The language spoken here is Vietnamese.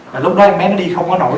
mà lúc đó em bé nó đi không có nổi